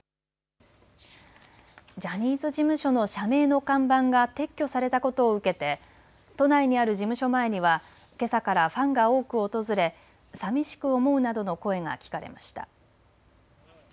ジャニーズ事務所の社名の看板が撤去されたことを受けて都内にある事務所前にはけさからファンが多く訪れ、さみしく思うなどの声が聞かれました。